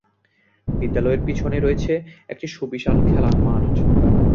বিদ্যালয়ের পিছনে রয়েছে একটি বিশাল খেলার মাঠ।